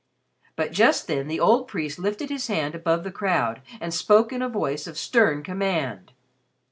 But just then the old priest lifted his hand above the crowd, and spoke in a voice of stern command.